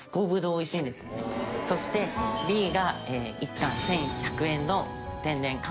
そしてＢが１貫１１００円の天然寒ぶりです。